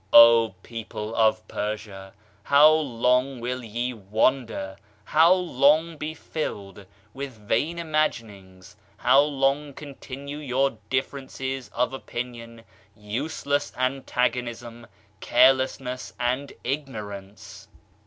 O people of Persia! how long will ye wander, how long be filled with vain imaginings;'how long continue your differences of opinion, useless an tagonism, carelessness and ignorance?